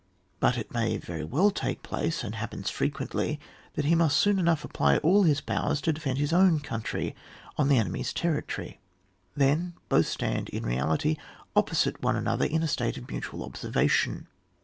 But it may very well take place, and happens fre* qaently that he must soon enough apply all his powers to defend his own country on the enemy's territory. Then both stand, in reality, opposite one another in a state of mutual observation.